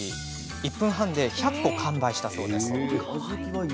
１分半で１００個完売したそうです。